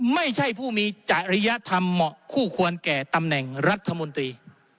ไม่ใช่ผู้มีจริยธรรมเหมาะคู่ควรแก่ตำแหน่งรัฐมนตรี